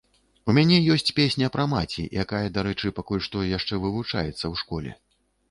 У мяне ёсць песня пра маці, якая, дарэчы, пакуль што яшчэ вывучаецца ў школе.